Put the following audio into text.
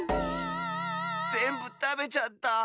ぜんぶたべちゃった。